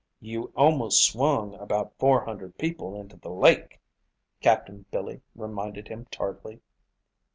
"You almost swung about four hundred people into the lake," Captain Billy reminded him tartly.